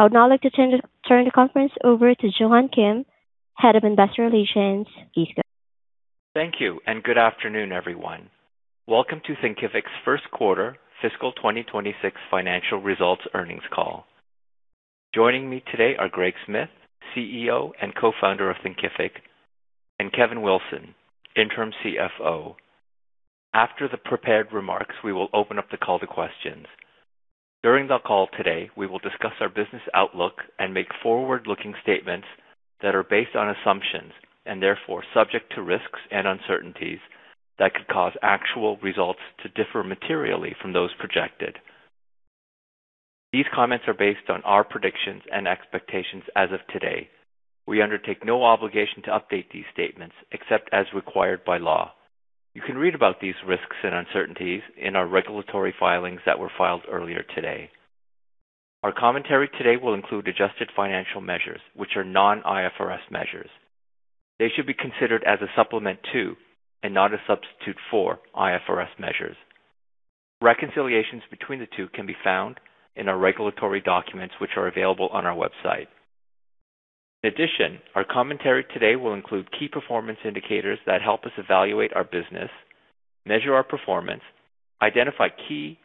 I would now like to turn the conference over to Joo-Hun Kim, Head of Investor Relations. Please go ahead. Thank you and good afternoon, everyone. Welcome to Thinkific's first quarter fiscal 2026 financial results earnings call. Joining me today are Greg Smith, Chief Executive Officer and Co-founder of Thinkific, and Kevin Wilson, Interim Chief Financial Officer. After the prepared remarks, we will open up the call to questions. During the call today, we will discuss our business outlook and make forward-looking statements that are based on assumptions and therefore subject to risks and uncertainties that could cause actual results to differ materially from those projected. These comments are based on our predictions and expectations as of today. We undertake no obligation to update these statements except as required by law. You can read about these risks and uncertainties in our regulatory filings that were filed earlier today. Our commentary today will include adjusted financial measures, which are non-IFRS measures. They should be considered as a supplement to, and not a substitute for, IFRS measures. Reconciliations between the two can be found in our regulatory documents, which are available on our website. In addition, our commentary today will include key performance indicators that help us evaluate our business, measure our performance, identify key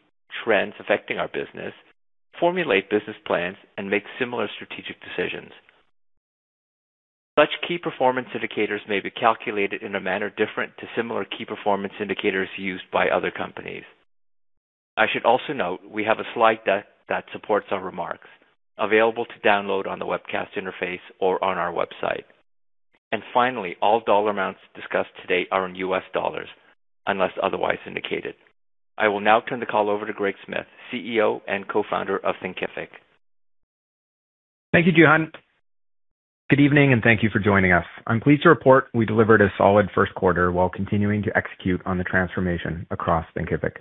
trends affecting our business, formulate business plans, and make similar strategic decisions. Such key performance indicators may be calculated in a manner different to similar key performance indicators used by other companies. I should also note we have a slide deck that supports our remarks available to download on the webcast interface or on our website. Finally, all dollar amounts discussed today are in U.S. dollars unless otherwise indicated. I will now turn the call over to Greg Smith, Chief Executive Officer and Co-founder of Thinkific. Thank you, Joo-Hun Kim. Good evening, thank you for joining us. I'm pleased to report we delivered a solid first quarter while continuing to execute on the transformation across Thinkific.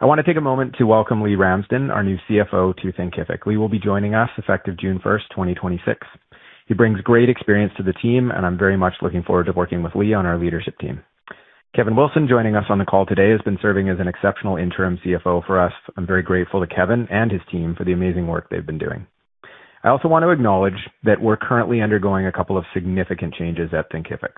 I want to take a moment to welcome Leigh Ramsden, our new Chief Financial Officer, to Thinkific. Leigh will be joining us effective June 1st, 2026. He brings great experience to the team, and I'm very much looking forward to working with Leigh on our leadership team. Kevin Wilson, joining us on the call today, has been serving as an exceptional Interim Chief Financial Officer for us. I'm very grateful to Kevin and his team for the amazing work they've been doing. I also want to acknowledge that we're currently undergoing a couple of significant changes at Thinkific.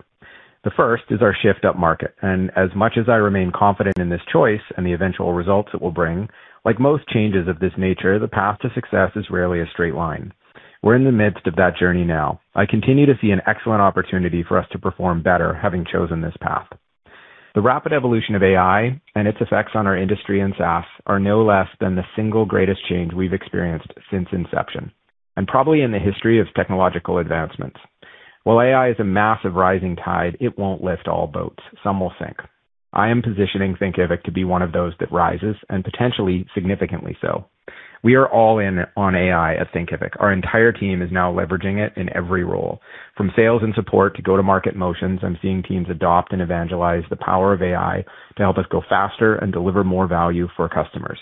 The first is our shift upmarket, and as much as I remain confident in this choice and the eventual results it will bring, like most changes of this nature, the path to success is rarely a straight line. We're in the midst of that journey now. I continue to see an excellent opportunity for us to perform better, having chosen this path. The rapid evolution of AI and its effects on our industry and SaaS are no less than the single greatest change we've experienced since inception, and probably in the history of technological advancements. While AI is a massive rising tide, it won't lift all boats. Some will sink. I am positioning Thinkific to be one of those that rises, and potentially significantly so. We are all in on AI at Thinkific. Our entire team is now leveraging it in every role. From sales and support to go-to-market motions, I'm seeing teams adopt and evangelize the power of AI to help us go faster and deliver more value for customers.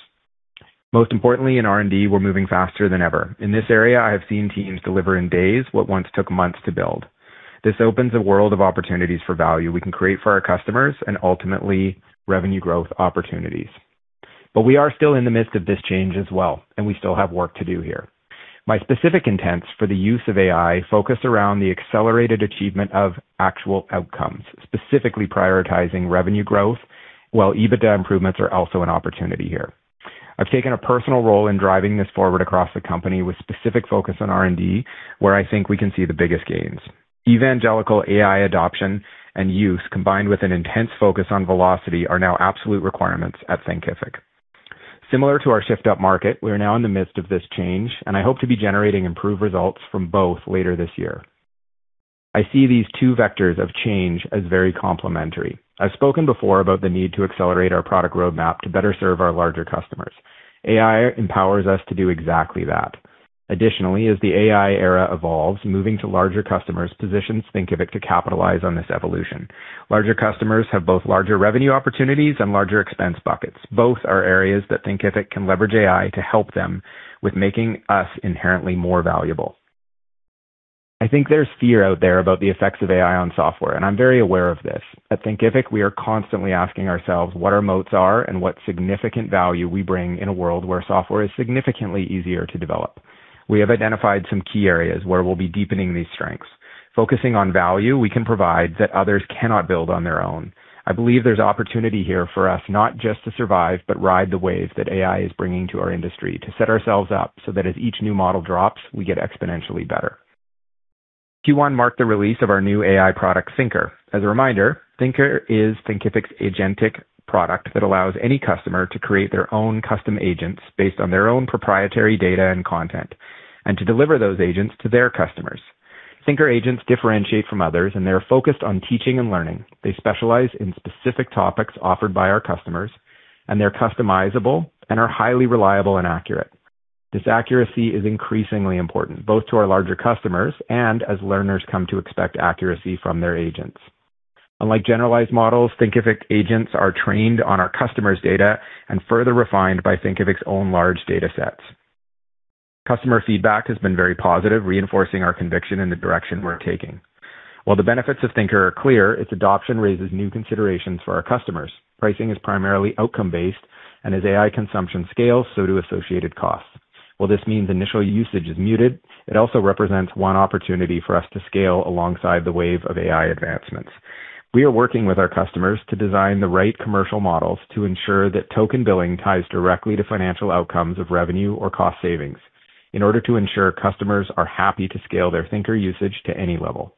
Most importantly, in R&D, we're moving faster than ever. In this area, I have seen teams deliver in days what once took months to build. This opens a world of opportunities for value we can create for our customers and ultimately revenue growth opportunities. We are still in the midst of this change as well, and we still have work to do here. My specific intents for the use of AI focus around the accelerated achievement of actual outcomes, specifically prioritizing revenue growth, while EBITDA improvements are also an opportunity here. I've taken a personal role in driving this forward across the company with specific focus on R&D, where I think we can see the biggest gains. Evangelical AI adoption and use, combined with an intense focus on velocity, are now absolute requirements at Thinkific. Similar to our shift upmarket, we are now in the midst of this change, and I hope to be generating improved results from both later this year. I see these two vectors of change as very complementary. I've spoken before about the need to accelerate our product roadmap to better serve our larger customers. AI empowers us to do exactly that. As the AI era evolves, moving to larger customers positions Thinkific to capitalize on this evolution. Larger customers have both larger revenue opportunities and larger expense buckets. Both are areas that Thinkific can leverage AI to help them with making us inherently more valuable. I think there's fear out there about the effects of AI on software, and I'm very aware of this. At Thinkific, we are constantly asking ourselves what our moats are and what significant value we bring in a world where software is significantly easier to develop. We have identified some key areas where we'll be deepening these strengths, focusing on value we can provide that others cannot build on their own. I believe there's opportunity here for us not just to survive, but ride the wave that AI is bringing to our industry to set ourselves up so that as each new model drops, we get exponentially better. Q1 marked the release of our new AI product, Thinker. As a reminder, Thinker is Thinkific's agentic product that allows any customer to create their own custom agents based on their own proprietary data and content, and to deliver those agents to their customers. Thinker agents differentiate from others, and they are focused on teaching and learning. They specialize in specific topics offered by our customers, and they're customizable and are highly reliable and accurate. This accuracy is increasingly important both to our larger customers and as learners come to expect accuracy from their agents. Unlike generalized models, Thinkific agents are trained on our customers' data and further refined by Thinkific's own large data sets. Customer feedback has been very positive, reinforcing our conviction in the direction we're taking. While the benefits of Thinker are clear, its adoption raises new considerations for our customers. Pricing is primarily outcome-based, and as AI consumption scales, so do associated costs. While this means initial usage is muted, it also represents one opportunity for us to scale alongside the wave of AI advancements. We are working with our customers to design the right commercial models to ensure that token billing ties directly to financial outcomes of revenue or cost savings in order to ensure customers are happy to scale their Thinker usage to any level.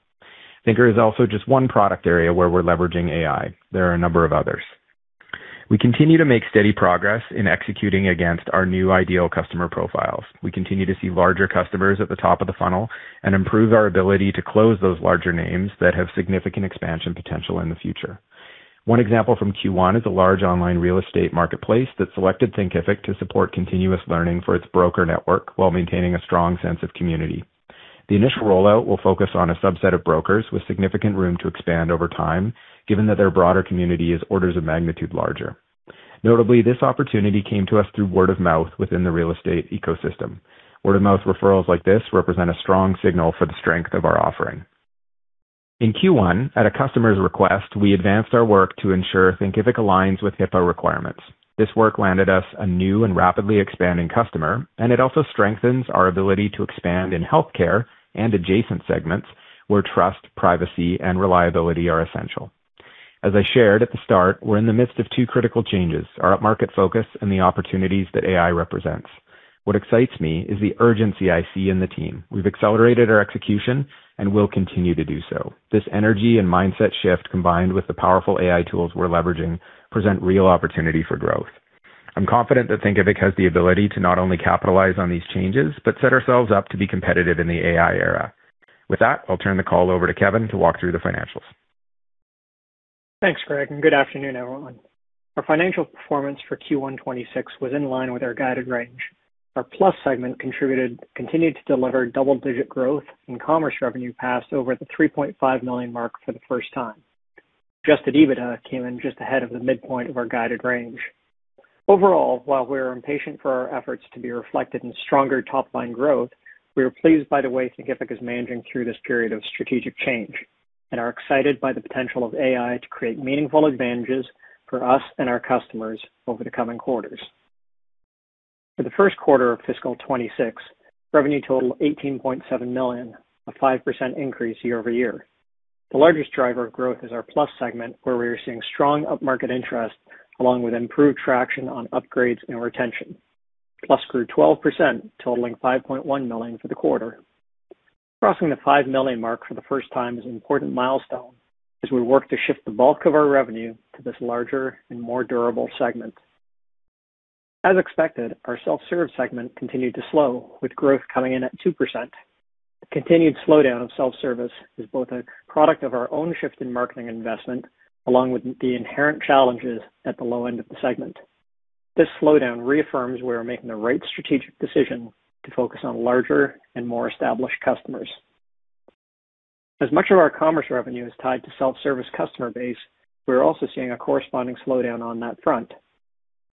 Thinker is also just one product area where we're leveraging AI. There are a number of others. We continue to make steady progress in executing against our new ideal customer profiles. We continue to see larger customers at the top of the funnel and improve our ability to close those larger names that have significant expansion potential in the future. One example from Q1 is a large online real estate marketplace that selected Thinkific to support continuous learning for its broker network while maintaining a strong sense of community. The initial rollout will focus on a subset of brokers with significant room to expand over time, given that their broader community is orders of magnitude larger. Notably, this opportunity came to us through word of mouth within the real estate ecosystem. Word of mouth referrals like this represent a strong signal for the strength of our offering. In Q1, at a customer's request, we advanced our work to ensure Thinkific aligns with HIPAA requirements. This work landed us a new and rapidly expanding customer, and it also strengthens our ability to expand in healthcare and adjacent segments where trust, privacy, and reliability are essential. As I shared at the start, we're in the midst of two critical changes, our upmarket focus and the opportunities that AI represents. What excites me is the urgency I see in the team. We've accelerated our execution and will continue to do so. This energy and mindset shift, combined with the powerful AI tools we're leveraging, present real opportunity for growth. I'm confident that Thinkific has the ability to not only capitalize on these changes but set ourselves up to be competitive in the AI era. With that, I'll turn the call over to Kevin to walk through the financials. Thanks, Greg, and good afternoon, everyone. Our financial performance for Q1 2026 was in line with our guided range. Our Plus segment continued to deliver double-digit growth, Commerce revenue passed over the $3.5 million mark for the first time. Adjusted EBITDA came in just ahead of the midpoint of our guided range. Overall, while we're impatient for our efforts to be reflected in stronger top-line growth, we are pleased by the way Thinkific is managing through this period of strategic change and are excited by the potential of AI to create meaningful advantages for us and our customers over the coming quarters. For the first quarter of fiscal 2026, revenue totaled $18.7 million, a 5% increase year-over-year. The largest driver of growth is our Plus segment, where we are seeing strong upmarket interest along with improved traction on upgrades and retention. Plus grew 12%, totaling $5.1 million for the quarter. Crossing the $5 million mark for the first time is an important milestone as we work to shift the bulk of our revenue to this larger and more durable segment. As expected, our Self-Service segment continued to slow, with growth coming in at 2%. The continued slowdown of Self-Service is both a product of our own shift in marketing investment, along with the inherent challenges at the low end of the segment. This slowdown reaffirms we are making the right strategic decision to focus on larger and more established customers. As much of our Commerce revenue is tied to Self-Service customer base, we're also seeing a corresponding slowdown on that front.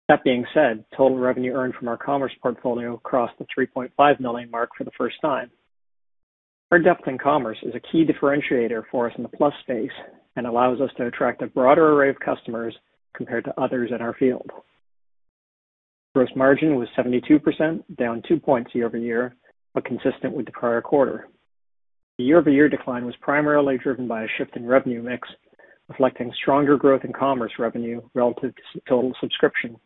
That being said, total revenue earned from our Commerce portfolio crossed the $3.5 million mark for the first time. Our depth in Commerce is a key differentiator for us in the Plus space and allows us to attract a broader array of customers compared to others in our field. Gross margin was 72%, down 2 points year-over-year, but consistent with the prior quarter. The year-over-year decline was primarily driven by a shift in revenue mix, reflecting stronger growth in Commerce revenue relative to total subscription.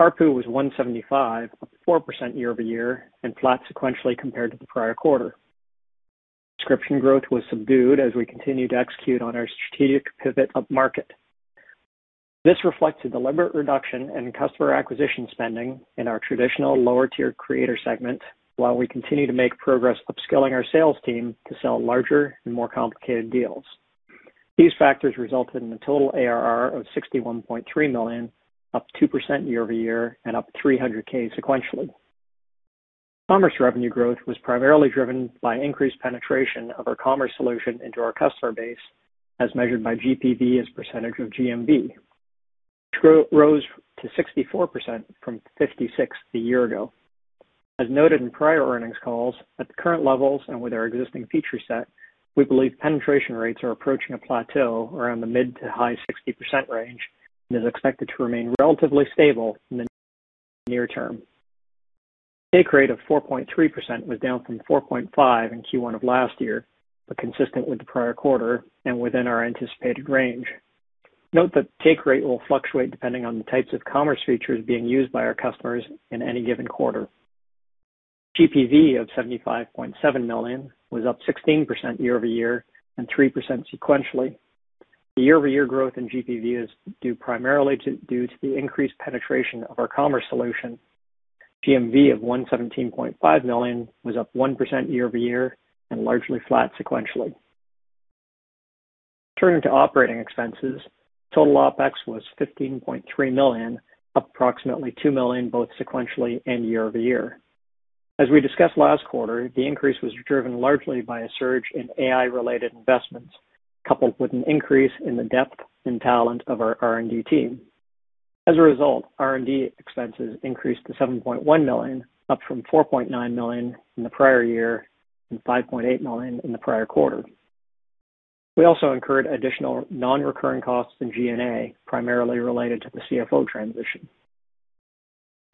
ARPU was $175, up 4% year-over-year and flat sequentially compared to the prior quarter. Subscription growth was subdued as we continued to execute on our strategic pivot upmarket. This reflects a deliberate reduction in customer acquisition spending in our traditional lower-tier creator segment while we continue to make progress upskilling our sales team to sell larger and more complicated deals. These factors resulted in a total ARR of $61.3 million, up 2% year-over-year and up $300,000 sequentially. Commerce revenue growth was primarily driven by increased penetration of our Commerce solution into our customer base, as measured by GPV as percentage of GMV, which rose to 64% from 56% a year ago. As noted in prior earnings calls, at the current levels and with our existing feature set, we believe penetration rates are approaching a plateau around the mid to high 60% range and is expected to remain relatively stable in the near term. Take rate of 4.3% was down from 4.5% in Q1 of last year, but consistent with the prior quarter and within our anticipated range. Note that take rate will fluctuate depending on the types of Commerce features being used by our customers in any given quarter. GPV of $75.7 million was up 16% year-over-year and 3% sequentially. The year-over-year growth in GPV is due primarily to the increased penetration of our Commerce solution. GMV of $117.5 million was up 1% year-over-year and largely flat sequentially. Turning to operating expenses, total OpEx was $15.3 million, up approximately $2 million both sequentially and year-over-year. As we discussed last quarter, the increase was driven largely by a surge in AI-related investments, coupled with an increase in the depth and talent of our R&D team. As a result, R&D expenses increased to $7.1 million, up from $4.9 million in the prior year and $5.8 million in the prior quarter. We also incurred additional non-recurring costs in G&A, primarily related to the CFO transition.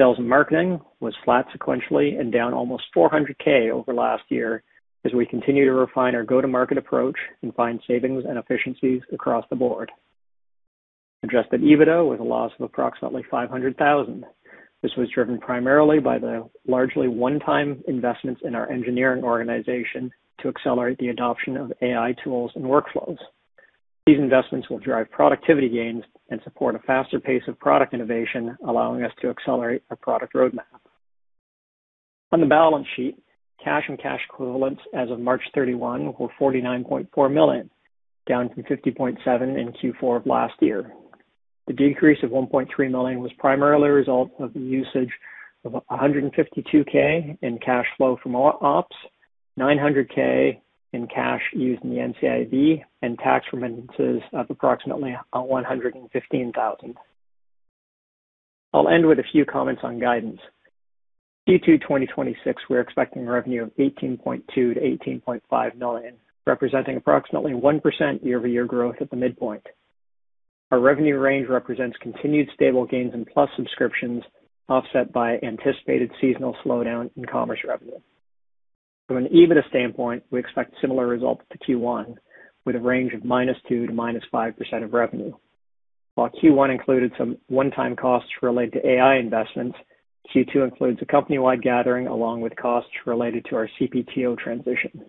Sales and marketing was flat sequentially and down almost $400,000 over last year as we continue to refine our go-to-market approach and find savings and efficiencies across the board. Adjusted EBITDA with a loss of approximately $500,000. This was driven primarily by the largely one-time investments in our engineering organization to accelerate the adoption of AI tools and workflows. These investments will drive productivity gains and support a faster pace of product innovation, allowing us to accelerate our product roadmap. On the balance sheet, cash and cash equivalents as of March 31 were $49.4 million, down from $50.7 million in Q4 of last year. The decrease of $1.3 million was primarily a result of the usage of $152,000 in cash flow from OpEx, $900,000 in cash used in the NCIB, and tax remittances of approximately $115,000. I'll end with a few comments on guidance. Q2 2026, we're expecting revenue of $18.2 million-$18.5 million, representing approximately 1% year-over-year growth at the midpoint. Our revenue range represents continued stable gains in Plus subscriptions, offset by anticipated seasonal slowdown in TCommerce revenue. From an EBITDA standpoint, we expect similar results to Q1, with a range of -2% to -5% of revenue. While Q1 included some one-time costs related to AI investments, Q2 includes a company-wide gathering along with costs related to our CPTO transition.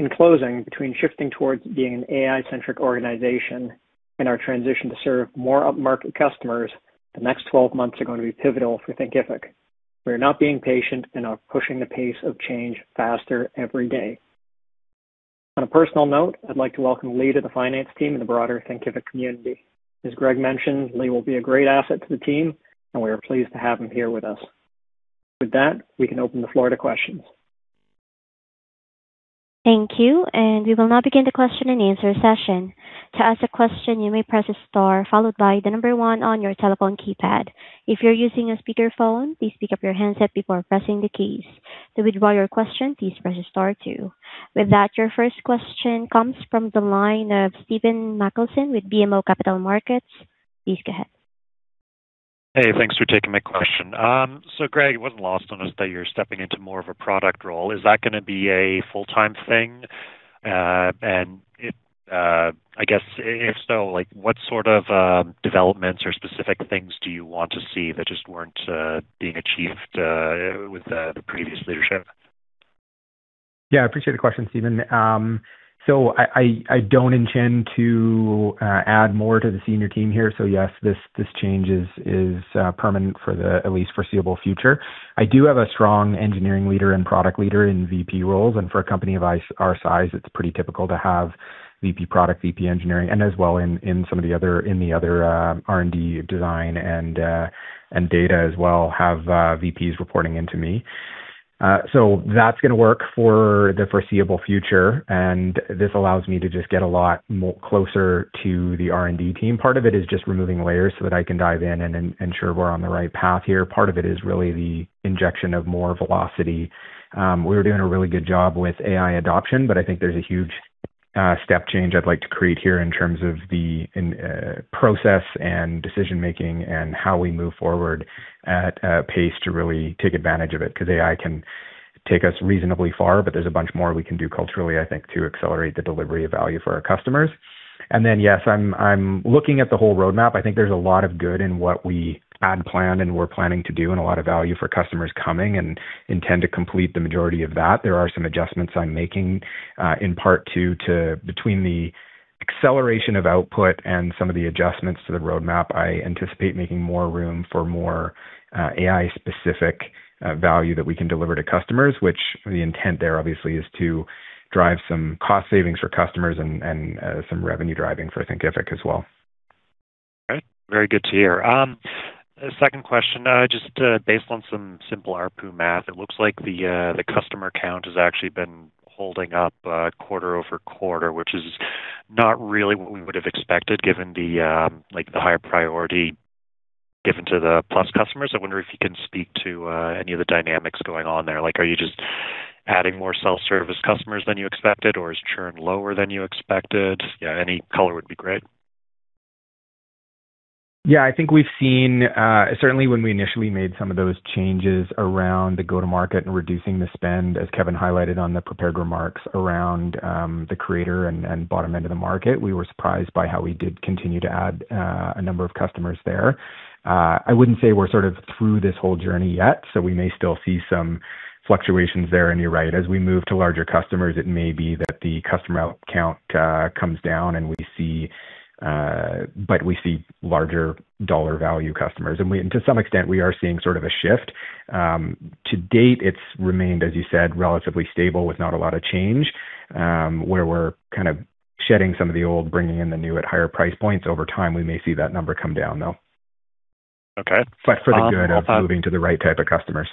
In closing, between shifting towards being an AI-centric organization and our transition to serve more upmarket customers, the next 12 months are going to be pivotal for Thinkific. We are not being patient and are pushing the pace of change faster every day. On a personal note, I'd like to welcome Leigh to the finance team and the broader Thinkific community. As Greg mentioned, Leigh will be a great asset to the team, and we are pleased to have him here with us. With that, we can open the floor to questions. Your first question comes from the line of Stephen Machielsen with BMO Capital Markets. Please go ahead. Hey, thanks for taking my question. Greg, it wasn't lost on us that you're stepping into more of a product role. Is that gonna be a full-time thing? If, I guess if so, like, what sort of developments or specific things do you want to see that just weren't being achieved with the previous leadership? Yeah, I appreciate the question, Stephen. I don't intend to add more to the senior team here. Yes, this change is permanent for the at least foreseeable future. I do have a strong engineering leader and product leader in VP roles, and for a company of our size, it's pretty typical to have VP Product, VP Engineering, and as well in some of the other, in the other R&D design and data as well, have VPs reporting into me. That's gonna work for the foreseeable future, and this allows me to just get a lot closer to the R&D team. Part of it is just removing layers so that I can dive in and ensure we're on the right path here. Part of it is really the injection of more velocity. We were doing a really good job with AI adoption, but I think there's a huge step change I'd like to create here in terms of the in process and decision-making and how we move forward at pace to really take advantage of it. 'Cause AI can take us reasonably far, but there's a bunch more we can do culturally, I think, to accelerate the delivery of value for our customers. Then, yes, I'm looking at the whole roadmap. I think there's a lot of good in what we had planned and were planning to do, and a lot of value for customers coming and intend to complete the majority of that. There are some adjustments I'm making in part to between the acceleration of output and some of the adjustments to the roadmap. I anticipate making more room for more AI-specific value that we can deliver to customers, which the intent there obviously is to drive some cost savings for customers and, some revenue driving for Thinkific as well. All right. Very good to hear. Second question. Just, based on some simple ARPU math, it looks like the customer count has actually been holding up, quarter-over-quarter, which is not really what we would have expected given the, like the higher priority given to the Plus customers. I wonder if you can speak to any of the dynamics going on there. Like, are you just adding more Self-Service customers than you expected, or is churn lower than you expected? Yeah, any color would be great. I think we've seen, certainly when we initially made some of those changes around the go-to-market and reducing the spend, as Kevin highlighted on the prepared remarks around the creator and bottom end of the market. We were surprised by how we did continue to add a number of customers there. I wouldn't say we're sort of through this whole journey yet, so we may still see some fluctuations there. You're right, as we move to larger customers, it may be that the customer count comes down and we see, but we see larger dollar value customers. To some extent, we are seeing sort of a shift. To date, it's remained, as you said, relatively stable with not a lot of change, where we're kind of shedding some of the old, bringing in the new at higher price points. Over time, we may see that number come down though. Okay. For the good of moving to the right type of customers.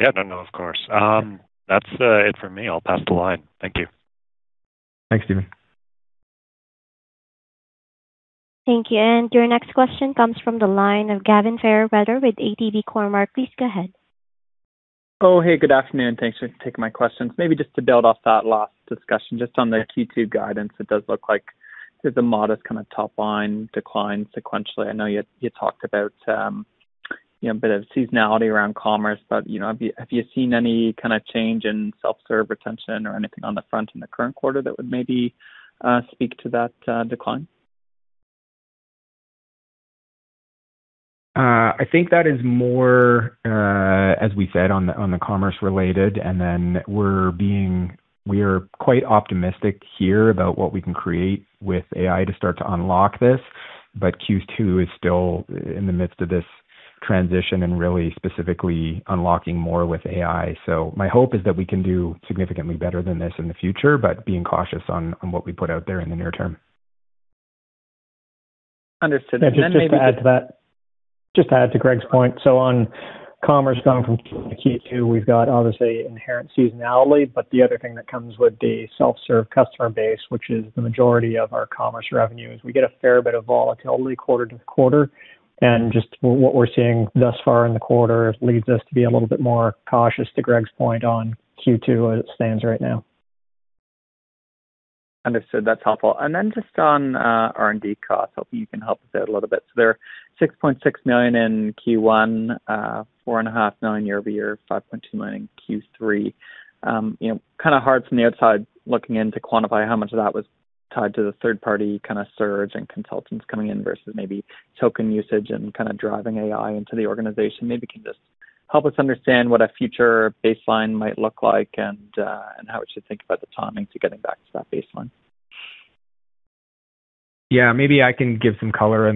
Yeah. No, no, of course. That's it for me. I'll pass the line. Thank you. Thanks, Stephen. Thank you. Your next question comes from the line of Gavin Fairweather with ATB Cormark. Please go ahead. Hey, good afternoon. Thanks for taking my questions. Just to build off that last discussion, just on the Q2 guidance, it does look like there's a modest kind of top line decline sequentially. I know you talked about, you know, a bit of seasonality around commerce, have you seen any kind of change in self-serve retention or anything on the front in the current quarter that would maybe speak to that decline? I think that is more, as we said, on the, on the commerce related, we are quite optimistic here about what we can create with AI to start to unlock this. Q2 is still in the midst of this transition and really specifically unlocking more with AI. My hope is that we can do significantly better than this in the future, being cautious on what we put out there in the near term. Understood. Just to add to that. Just to add to Greg's point. On TCommerce going from Q1 to Q2, we've got obviously inherent seasonality, but the other thing that comes with the self-serve customer base, which is the majority of our TCommerce revenue, is we get a fair bit of volatility quarter to quarter. Just what we're seeing thus far in the quarter leads us to be a little bit more cautious, to Greg's point, on Q2 as it stands right now. Understood. That's helpful. Just on R&D costs, hoping you can help us out a little bit. They're $6.6 million in Q1, $4.5 Million year-over-year, $5.2 million in Q3. You know, kinda hard from the outside looking in to quantify how much of that was tied to the third-party kinda surge and consultants coming in versus maybe token usage and kinda driving AI into the organization. Maybe you can just help us understand what a future baseline might look like and how we should think about the timing to getting back to that baseline. Maybe I can give some color,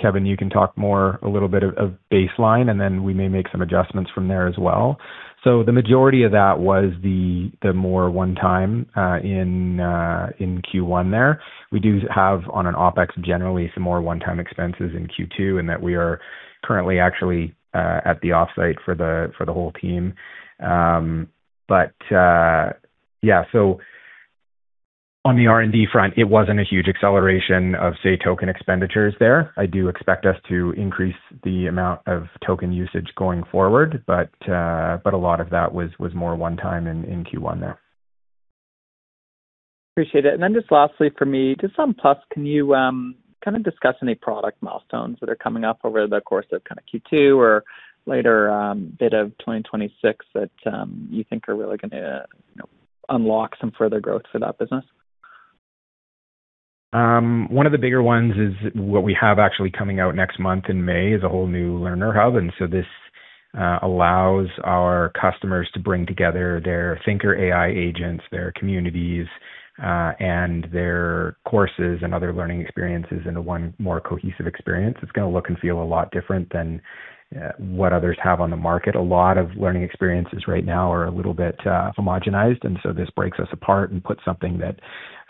Kevin, you can talk more, a little bit of baseline, we may make some adjustments from there as well. The majority of that was the more one-time in Q1 there. We do have on an OpEx generally some more one-time expenses in Q2, that we are currently actually at the offsite for the whole team. On the R&D front, it wasn't a huge acceleration of, say, token expenditures there. I do expect us to increase the amount of token usage going forward, a lot of that was more one-time in Q1 there. Appreciate it. Just lastly for me, just on Thinkific Plus, can you kinda discuss any product milestones that are coming up over the course of kinda Q2 or later, bit of 2026 that you think are really gonna, you know, unlock some further growth for that business? One of the bigger ones is what we have actually coming out next month in May, is a whole new learner hub. This allows our customers to bring together their Thinker AI agents, their communities, and their courses and other learning experiences into one more cohesive experience. It's gonna look and feel a lot different than what others have on the market. A lot of learning experiences right now are a little bit homogenized, and so this breaks us apart and puts something that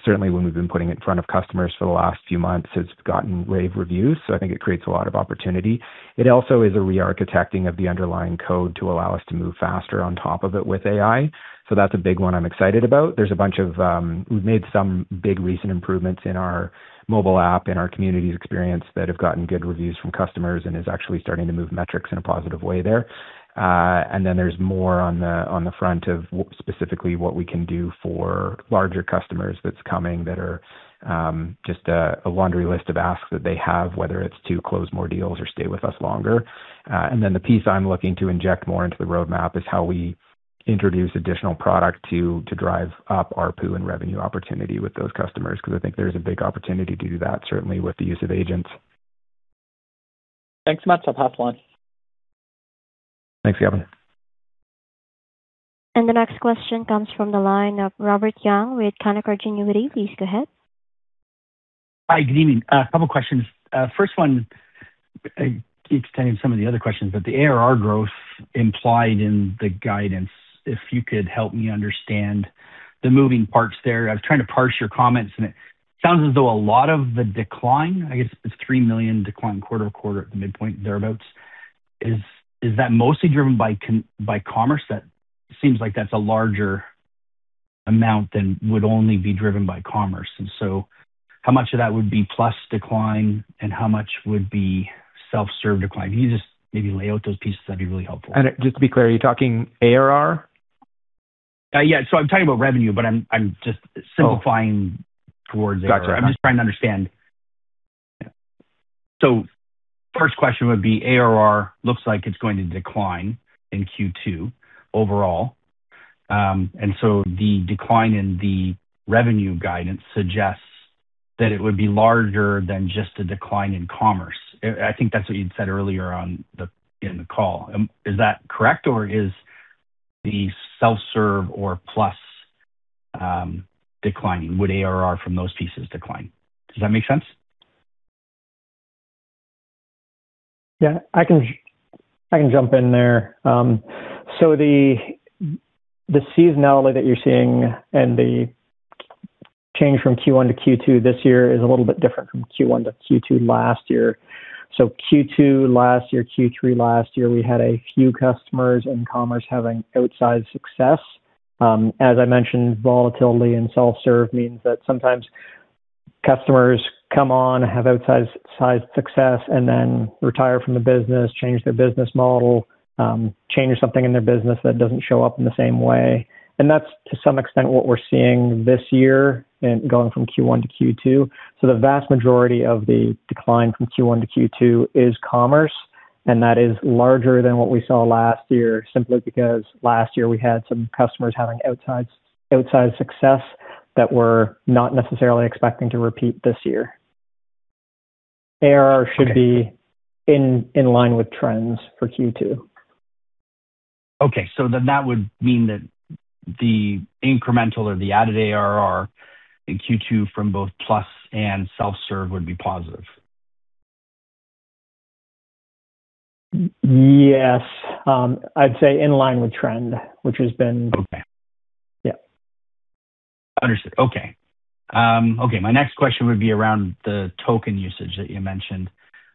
certainly when we've been putting it in front of customers for the last few months, it's gotten rave reviews. I think it creates a lot of opportunity. It also is a re-architecting of the underlying code to allow us to move faster on top of it with AI. That's a big one I'm excited about. We've made some big recent improvements in our mobile app, in our communities experience that have gotten good reviews from customers and is actually starting to move metrics in a positive way there. There's more on the front of specifically what we can do for larger customers that's coming that are just a laundry list of asks that they have, whether it's to close more deals or stay with us longer. The piece I'm looking to inject more into the roadmap is how we introduce additional product to drive up ARPU and revenue opportunity with those customers, 'cause I think there's a big opportunity to do that, certainly with the use of agents. Thanks so much. I'll pass along. Thanks, Gavin. The next question comes from the line of Robert Young with Canaccord Genuity. Please go ahead. Hi, good evening. A couple questions. First one keeps tying in some of the other questions, but the ARR growth implied in the guidance, if you could help me understand the moving parts there. I was trying to parse your comments, and it sounds as though a lot of the decline, I guess it's $3 million decline quarter-over-quarter at the midpoint thereabouts. Is that mostly driven by Commerce? That seems like that's a larger amount than would only be driven by Commerce. How much of that would be Thinkific Plus decline and how much would be self-serve decline? Can you just maybe lay out those pieces? That'd be really helpful. Just to be clear, are you talking ARR? yeah. I'm talking about revenue, but I'm just simplifying towards ARR. Gotcha. I'm just trying to understand. Yeah. First question would be ARR looks like it's going to decline in Q2 overall. The decline in the revenue guidance suggests that it would be larger than just a decline in commerce. I think that's what you'd said earlier in the call. Is that correct or is the self-serve or Plus declining? Would ARR from those pieces decline? Does that make sense? I can jump in there. The seasonality that you're seeing and the change from Q1 to Q2 this year is a little bit different from Q1 to Q2 last year. Q2 last year, Q3 last year, we had a few customers in commerce having outsized success. As I mentioned, volatility in self-serve means that sometimes customers come on, have outsized success and then retire from the business, change their business model, change something in their business that doesn't show up in the same way. That's to some extent what we're seeing this year in going from Q1 to Q2. The vast majority of the decline from Q1 to Q2 is commerce, and that is larger than what we saw last year, simply because last year we had some customers having outsized success that we're not necessarily expecting to repeat this year. ARR should be in line with trends for Q2. Okay. That would mean that the incremental or the added ARR in Q2 from both Plus and self-serve would be positive. Yes. I'd say in line with trend, which has been- Okay. Yeah. Understood. Okay, my next question would be around the token usage that you mentioned.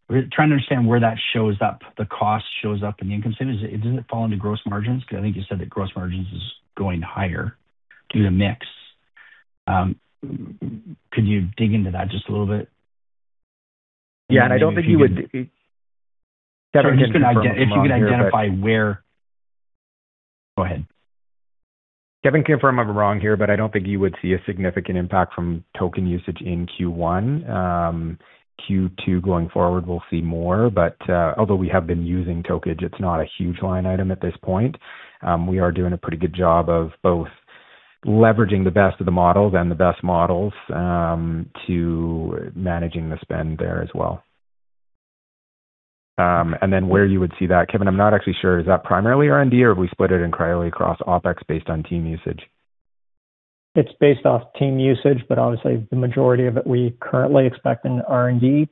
We're trying to understand where that shows up, the cost shows up in the income statement. Does it fall into gross margins? I think you said that gross margins is going higher due to mix. Could you dig into that just a little bit? Yeah. Kevin can confirm, If you could identify where. Go ahead. Kevin, confirm if I'm wrong here, I don't think you would see a significant impact from token usage in Q1. Q2 going forward, we'll see more. Although we have been using token, it's not a huge line item at this point. We are doing a pretty good job of both leveraging the best of the models and the best models to managing the spend there as well. Where you would see that, Kevin, I'm not actually sure. Is that primarily R&D or have we split it entirely across OpEx based on team usage? It's based off team usage, but obviously the majority of it we currently expect in R&D.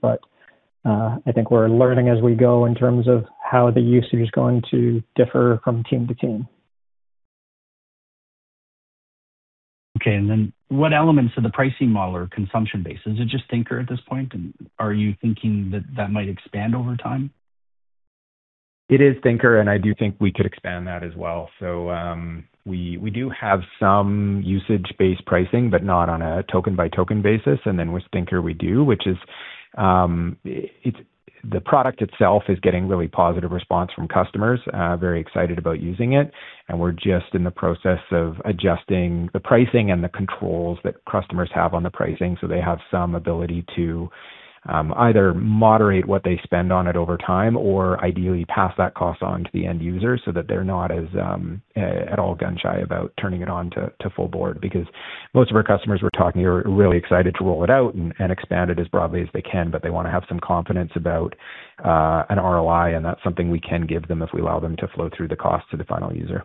I think we're learning as we go in terms of how the usage is going to differ from team to team. Okay. What elements of the pricing model are consumption-based? Is it just Thinker at this point? Are you thinking that that might expand over time? It is Thinker, and I do think we could expand that as well. We, we do have some usage-based pricing, but not on a token-by-token basis. With Thinker we do, which is the product itself is getting really positive response from customers, very excited about using it. We're just in the process of adjusting the pricing and the controls that customers have on the pricing so they have some ability to either moderate what they spend on it over time or ideally pass that cost on to the end user so that they're not as at all gun-shy about turning it on to full board. Most of our customers we're talking are really excited to roll it out and expand it as broadly as they can. They wanna have some confidence about an ROI, and that's something we can give them if we allow them to flow through the cost to the final user.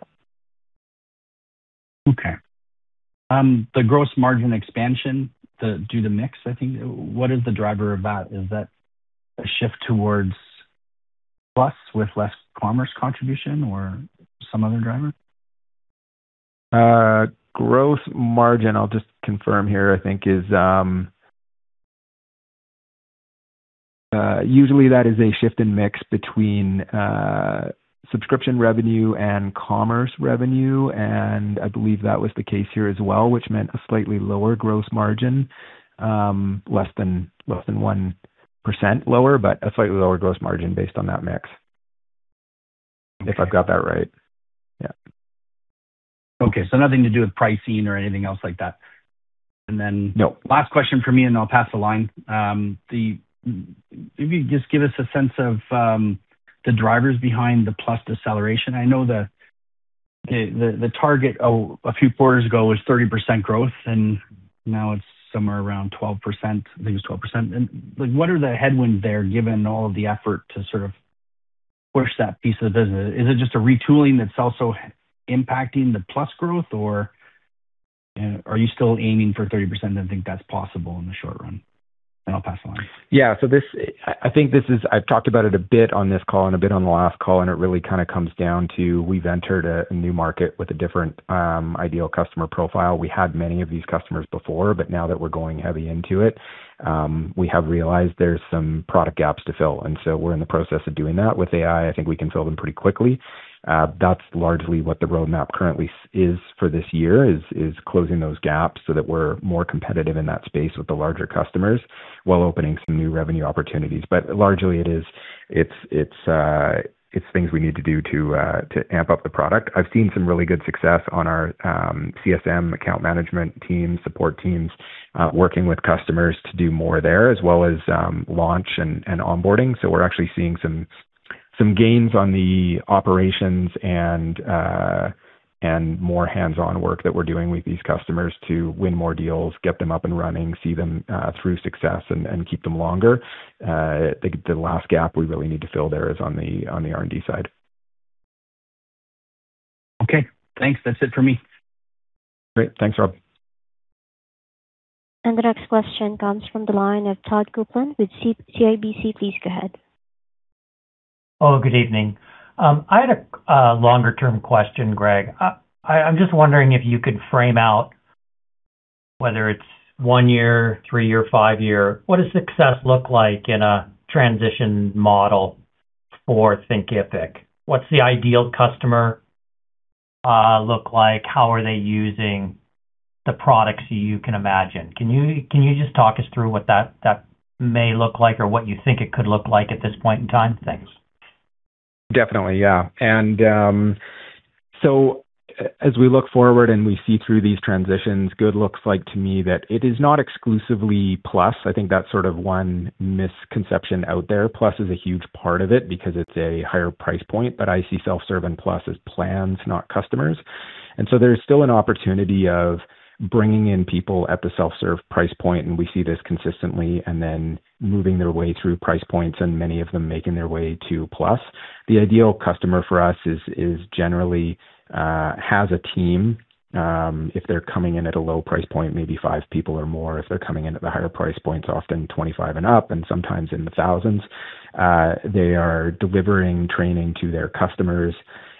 Okay. The gross margin expansion due to mix, I think, what is the driver of that? Is that a shift towards Plus with less TCommerce contribution or some other driver? Gross margin, I'll just confirm here, I think is usually that is a shift in mix between subscription revenue and commerce revenue, and I believe that was the case here as well, which meant a slightly lower gross margin, less than 1% lower, but a slightly lower gross margin based on that mix. If I've got that right. Yeah. Okay. Nothing to do with pricing or anything else like that. No. Last question for me, and then I'll pass the line. If you could just give us a sense of the drivers behind the Thinkific Plus deceleration. I know the target a few quarters ago was 30% growth, and now it's somewhere around 12%. I think it was 12%. Like, what are the headwinds there, given all of the effort to sort of push that piece of the business? Is it just a retooling that's also impacting the Thinkific Plus growth or, are you still aiming for 30% and think that's possible in the short run? I'll pass the line. Yeah. I think I have talked about it a bit on this call and a bit on the last call, and it really kind of comes down to we have entered a new market with a different ideal customer profile. Now that we are going heavy into it, we have realized there is some product gaps to fill. We are in the process of doing that. With AI, I think we can fill them pretty quickly. That is largely what the roadmap currently is for this year, is closing those gaps so that we are more competitive in that space with the larger customers while opening some new revenue opportunities. Largely it is things we need to do to amp up the product. I've seen some really good success on our CSM account management teams, support teams, working with customers to do more there, as well as launch and onboarding. We're actually seeing some gains on the operations and more hands-on work that we're doing with these customers to win more deals, get them up and running, see them through success and keep them longer. The last gap we really need to fill there is on the R&D side. Okay. Thanks. That's it for me. Great. Thanks, Robert. The next question comes from the line of Todd Coupland with CIBC. Please go ahead. Hello, good evening. I had a longer term question, Greg. I'm just wondering if you could frame out whether it's one-year, three-year, five-year, what does success look like in a transition model for Thinkific? What's the ideal customer look like? How are they using the products you can imagine? Can you just talk us through what that may look like or what you think it could look like at this point in time? Thanks. Definitely, yeah. As we look forward and we see through these transitions, good looks like to me that it is not exclusively Plus. I think that's sort of one misconception out there. Plus is a huge part of it because it's a higher price point, I see self-serve and Plus as plans, not customers. There's still an opportunity of bringing in people at the self-serve price point, and we see this consistently, then moving their way through price points and many of them making their way to Plus. The ideal customer for us is generally has a team. If they're coming in at a low price point, maybe five people or more. If they're coming in at the higher price points, often 25 and up, and sometimes in the thousands. They are delivering training to their customers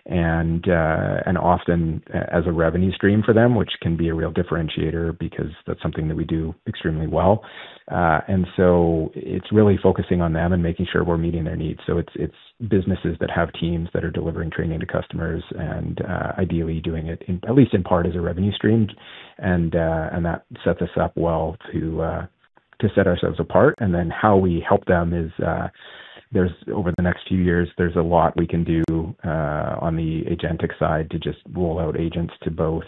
and often as a revenue stream for them, which can be a real differentiator because that's something that we do extremely well. It's really focusing on them and making sure we're meeting their needs. It's businesses that have teams that are delivering training to customers and ideally doing it in, at least in part as a revenue stream. That sets us up well to set ourselves apart. How we help them is over the next few years, there's a lot we can do on the agentic side to just roll out agents to both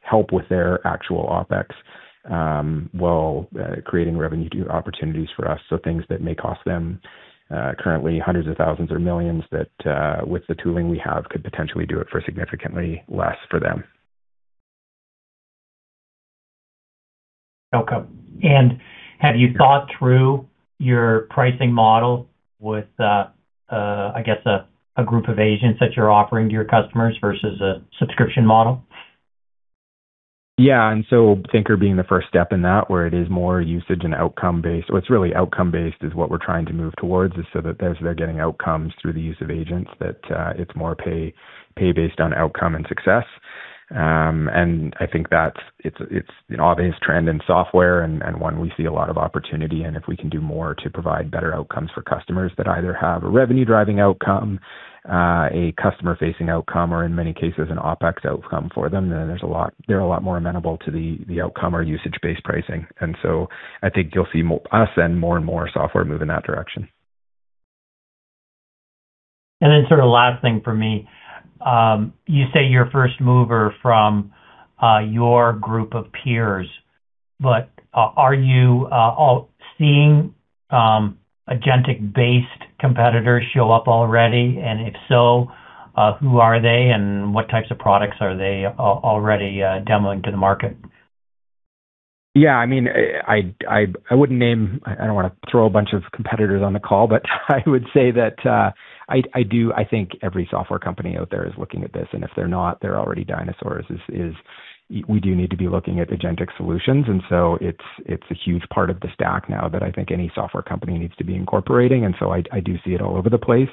help with their actual OpEx while creating revenue opportunities for us. Things that may cost them, currently hundreds of thousands or millions that, with the tooling we have, could potentially do it for significantly less for them. Okay. Have you thought through your pricing model with, I guess a group of agents that you're offering to your customers versus a subscription model? Yeah. Thinker being the first step in that where it is more usage and outcome-based. What's really outcome-based is what we're trying to move towards is so that as they're getting outcomes through the use of agents, that it's more pay based on outcome and success. And I think it's an obvious trend in software and one we see a lot of opportunity. If we can do more to provide better outcomes for customers that either have a revenue-driving outcome, a customer-facing outcome, or in many cases, an OpEx outcome for them, then they're a lot more amenable to the outcome or usage-based pricing. I think you'll see us and more and more software move in that direction. Then sort of last thing for me. You say you're a first mover from your group of peers, but are you all seeing agentic-based competitors show up already? If so, who are they and what types of products are they already demoing to the market? Yeah, I mean, I don't wanna throw a bunch of competitors on the call, but I would say that, I think every software company out there is looking at this, and if they're not, they're already dinosaurs. We do need to be looking at agentic solutions. It's a huge part of the stack now that I think any software company needs to be incorporating. I do see it all over the place.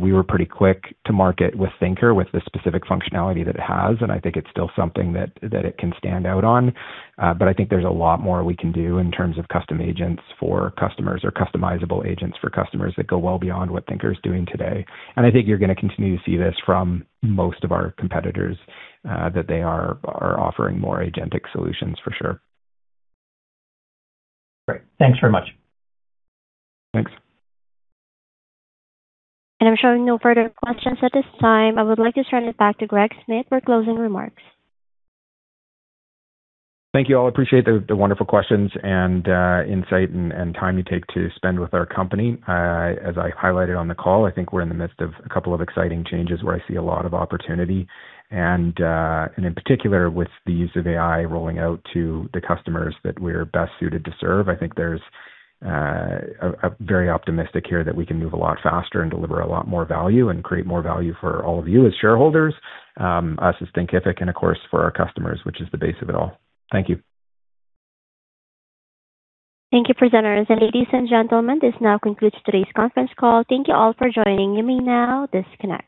We were pretty quick to market with Thinker; with the specific functionality that it has, I think it's still something that it can stand out on. I think there's a lot more we can do in terms of custom agents for customers or customizable agents for customers that go well beyond what Thinker is doing today. I think you're gonna continue to see this from most of our competitors that they are offering more agentic solutions for sure. Great. Thanks very much. Thanks. I'm showing no further questions at this time. I would like to turn it back to Greg Smith for closing remarks. Thank you all. Appreciate the wonderful questions and insight and time you take to spend with our company. As I highlighted on the call, I think we're in the midst of couple of exciting changes where I see a lot of opportunity. In particular with the use of AI rolling out to the customers that we're best suited to serve, I think there's a very optimistic here that we can move a lot faster and deliver a lot more value and create more value for all of you as shareholders, us as Thinkific, and of course for our customers, which is the base of it all. Thank you. Thank you, presenters. Ladies and gentlemen, this now concludes today's conference call. Thank you all for joining. You may now disconnect.